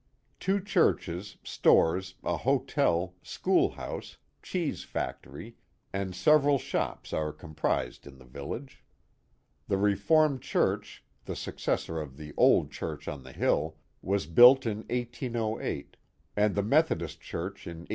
Two churches, stores, a hotel, schoolhouse. cheese factory, and several shops are comprised in the village. The Reformed church, the successor of the " old church on the hill," was built in 1808, and the Methodist Church in 1835.